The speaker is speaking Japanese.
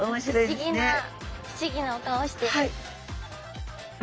不思議な不思議なお顔してる。